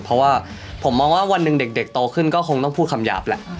เพราะว่าผมมองว่าวันหนึ่งเด็กโตขึ้นก็คงต้องพูดคำหยาบแหละ